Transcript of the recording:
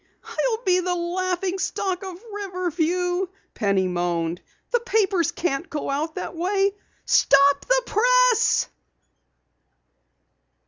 "I'll be the laughing stock of Riverview," Penny moaned. "The papers can't go out that way. Stop the press!"